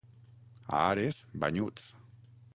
A Ares, banyuts.